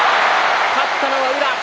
勝ったのは宇良。